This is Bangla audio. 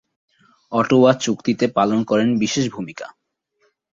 অটোয়া চুক্তিতে পালন করেন বিশেষ ভূমিকা।